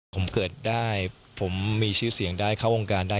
ผมเกิดได้ผมมีชื่อเสียงได้เข้าวงการได้